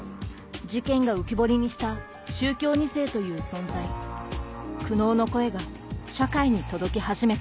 事件が浮き彫りにした宗教２世という存在苦悩の声が社会に届き始めた